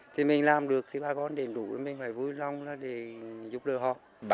thì mình làm được thì ba con để trụ mình phải vui lòng là để giúp đỡ họ